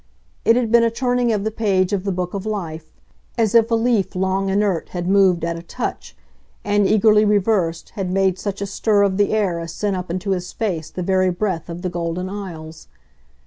It had been a turning of the page of the book of life as if a leaf long inert had moved at a touch and, eagerly reversed, had made such a stir of the air as sent up into his face the very breath of the Golden Isles.